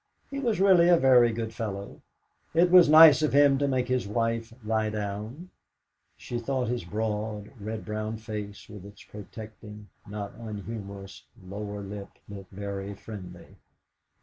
He was really a very good fellow; it was nice of him to make his wife lie down! She thought his broad, red brown face, with its protecting, not unhumorous, lower lip, looked very friendly.